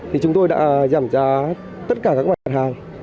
thì chúng tôi đã giảm giá tất cả các mặt hàng